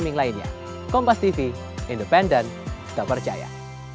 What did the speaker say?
kesinnya jam sembilan barinya